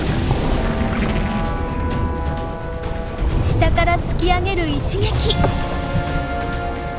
下から突き上げる一撃！